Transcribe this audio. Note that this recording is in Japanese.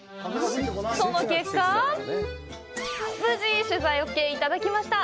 その結果、無事取材オーケーいただきました！